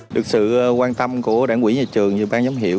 được sự quan tâm của đảng quỹ nhà trường và ban giám hiệu